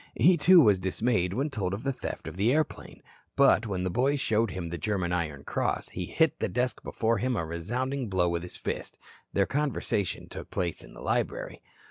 He, too, was dismayed when told of the theft of the airplane. But when the boys showed him the German Iron Cross he hit the desk before him a resounding blow with his fist. Their conversation took place in the library.